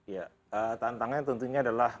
ya tantangannya tentunya adalah